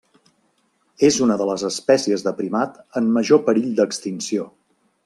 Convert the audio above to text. És una de les espècies de primat en major perill d'extinció.